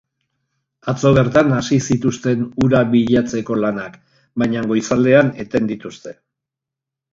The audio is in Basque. Atzo bertan hasi zituzten hura bilatzenko lanak, baina goizaldean eten dituzte.